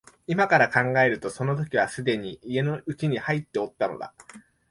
今から考えるとその時はすでに家の内に入っておったのだ